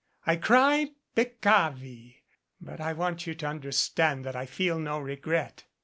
I cry peccavi. But I want you to understand that I feel no regret.